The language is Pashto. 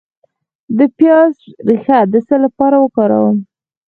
د پیاز ریښه د څه لپاره وکاروم؟